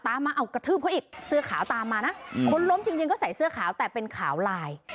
ตามมาเอากระทืบเขาอีกเสื้อขาวตามมานะคนล้มจริงก็ใส่เสื้อขาวแต่เป็นขาวลาย